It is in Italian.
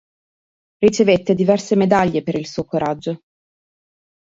Ricevette diverse medaglie per il suo coraggio.